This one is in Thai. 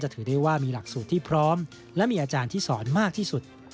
ที่พร้อมและมีอาจารย์ที่สอนมากที่สุด